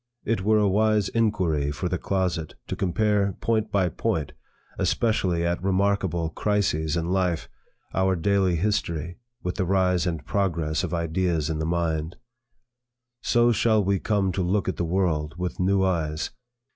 It were a wise inquiry for the closet, to compare, point by point, especially at remarkable crises in life, our daily history, with the rise and progress of ideas in the mind. So shall we come to look at the world with new eyes.